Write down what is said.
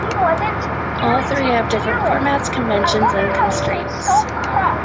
All three have different formats, conventions and constraints.